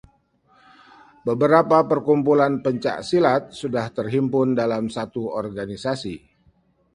beberapa perkumpulan pencak silat sudah terhimpun dalam satu organisasi